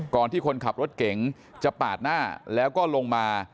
ที่คนขับรถเก๋งจะปาดหน้าแล้วก็ลงมา